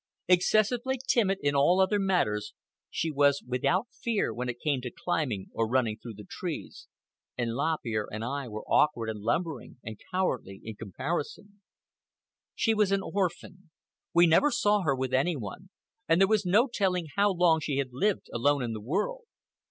Excessively timid in all other matters, she was without fear when it came to climbing or running through the trees, and Lop Ear and I were awkward and lumbering and cowardly in comparison. She was an orphan. We never saw her with any one, and there was no telling how long she had lived alone in the world.